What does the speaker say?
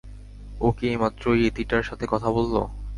ও কি এইমাত্র ইয়েতিটার সাথে কথা বলল?